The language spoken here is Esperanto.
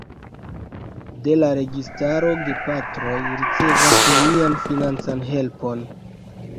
De la registaro gepatroj ricevas nenian financan helpon.